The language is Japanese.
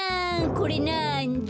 これなんだ？